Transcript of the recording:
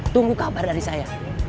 tunggu kabar dari saya